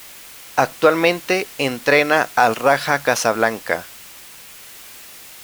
Actualmente entrena al Raja Casablanca.